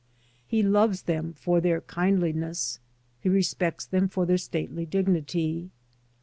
He loves them for their kindliness, he respects them for their stately dignity.